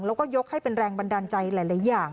แล้วก็ยกให้เป็นแรงบันดาลใจหลายอย่าง